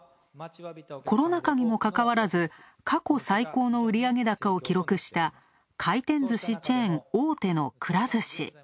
コロナ禍にもかかわらず、過去最高の売上高を記録した回転ずしチェーン大手のくら寿司。